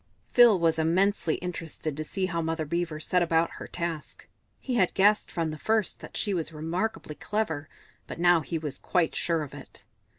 Phil was immensely interested to see how Mother Beaver set about her task; he had guessed from the first that she was remarkably clever, but now he was quite sure of it.